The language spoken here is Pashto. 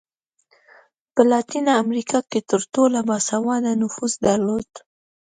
په لاتینه امریکا کې تر ټولو با سواده نفوس درلود.